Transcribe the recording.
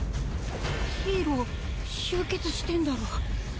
ヒーロー集結してんだろ？